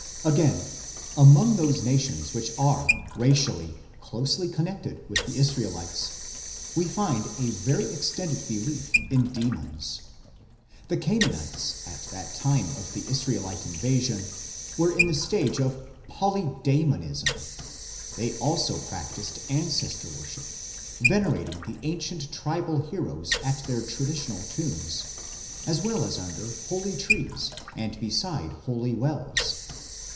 Again, among those nations which are, racially, closely connected with the Israelites we find a very extended belief in demons. The Canaanites at the time of the Israelite invasion were in the stage of Polydsemonism ; they also practised Ancestor worship, venerating the ancient tribal heroes at their traditional tombs, as well as under holy trees and beside holy wells.